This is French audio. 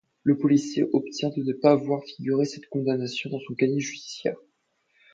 Le policier obtient de ne pas voir figurer cette condamnation dans son casier judiciaire.